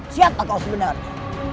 siapa kau sebenarnya